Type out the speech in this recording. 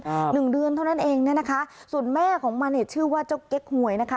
หนึ่งเดือนเท่านั้นเองเนี้ยนะคะส่วนแม่ของมันเนี่ยชื่อว่าเจ้าเก๊กหวยนะคะ